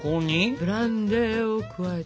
ブランデーを加えて。